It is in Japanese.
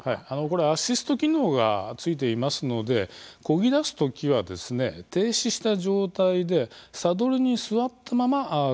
これアシスト機能がついていますのでこぎ出す時は停止した状態でサドルに座ったままこぎ出してください。